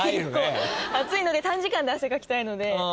熱いので短時間で汗かきたいので。